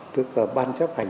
tức là ban chấp hành